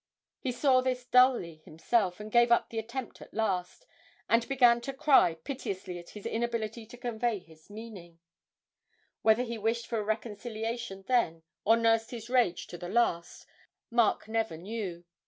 He saw this dully himself, and gave up the attempt at last, and began to cry piteously at his inability to convey his meaning; whether he wished for a reconciliation then or nursed his rage to the last, Mark never knew.